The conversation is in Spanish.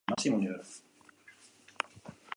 Era hijo de un trabajador de tapices hugonote.